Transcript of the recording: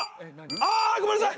ああごめんなさい！